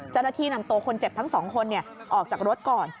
เจ้าหน้าที่นำตัวคนเจ็บทั้งสองคนออกจากรถก่อน